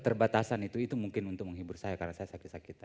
keterbatasan itu mungkin untuk menghibur saya karena saya sakit sakitan